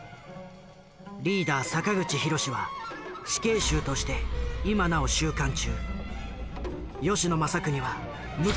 リーダー坂口弘は死刑囚として今なお収監中。